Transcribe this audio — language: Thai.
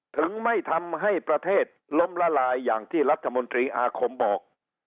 ถึงไม่ทำให้ประเทศล้มละลายอย่างที่รัฐมนตรีอาคมบอก